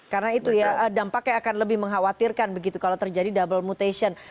karena itu ya dampaknya akan lebih mengkhawatirkan begitu kalau terjadi double mutation